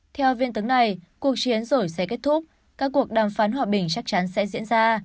theo viên tướng này cuộc chiến rồi sẽ kết thúc các cuộc đàm phán hòa bình chắc chắn sẽ diễn ra